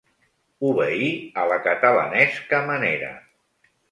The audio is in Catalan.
Obeir a la catalanesca manera.